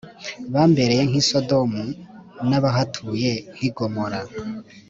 bambereye nk i Sodomu n abahatuye nk i Gomora